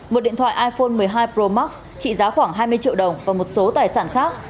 một điện thoại iphone một mươi hai pro max trị giá khoảng hai mươi triệu đồng và một số tài sản khác